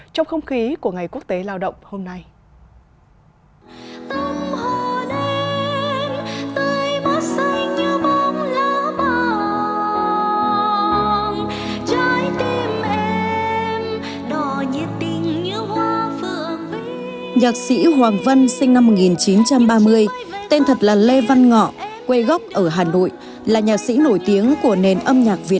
trong không khí của ngày quốc tế lao động hôm nay